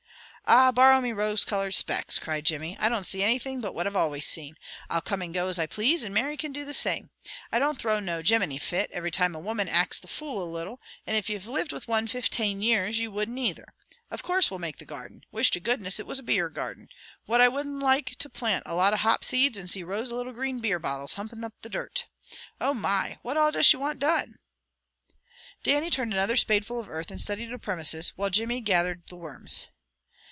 "Aha, borrow me rose colored specks!" cried Jimmy. "I don't see anything but what I've always seen. I'll come and go as I please, and Mary can do the same. I don't throw no 'jeminy fit' every time a woman acts the fool a little, and if you'd lived with one fiftane years you wouldn't either. Of course we'll make the garden. Wish to goodness it was a beer garden! Wouldn't I like to plant a lot of hop seed and see rows of little green beer bottles humpin' up the dirt. Oh, my! What all does she want done?" Dannie turned another spadeful of earth and studied the premises, while Jimmy gathered the worms.